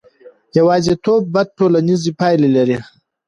یوازیتوب بدې ټولنیزې پایلې لري.